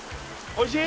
おいしい